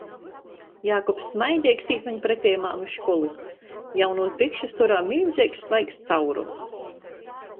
Jākubs smaideigs īt maņ preteimā nu školys. Jaunūs bikšu storā miļzeigs, svaigs caurums.